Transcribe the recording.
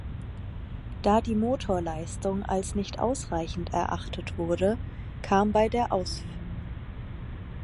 Da die Motorleistung als nicht ausreichend erachtet wurde, kam bei der Ausf.